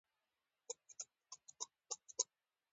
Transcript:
سیلانی ځایونه د افغانستان د طبعي سیسټم توازن ساتي.